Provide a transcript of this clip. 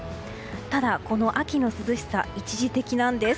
ただ、この秋の涼しさ一時的なんです。